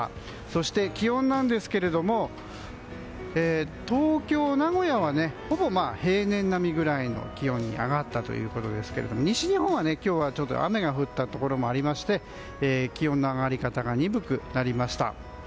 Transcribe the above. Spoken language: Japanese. そして気温ですが東京、名古屋はほぼ平年並みぐらいの気温に上がったということですが西日本は今日は雨が降ったところもありまして気温の上がり方が鈍くなりました。